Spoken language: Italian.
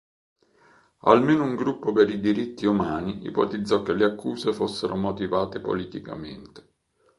Almeno un gruppo per i diritti umani ipotizzò che le accuse fossero motivate politicamente.